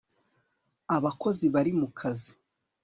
Abakozi bari mu kazi